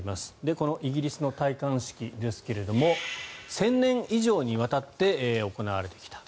このイギリスの戴冠式ですけれど１０００年以上にわたって行われてきた。